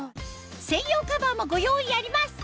専用カバーもご用意あります